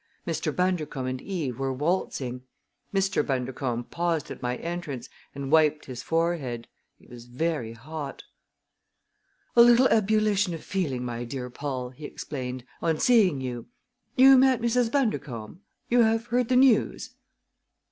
Mr. Bundercombe and Eve were waltzing. Mr. Bundercombe paused at my entrance and wiped his forehead. He was very hot. "A little ebullition of feeling, my dear Paul," he explained, "on seeing you. You met Mrs. Bundercombe? You have heard the news?"